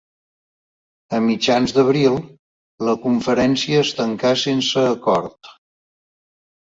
A mitjans d'abril la conferència es tancà sense acord.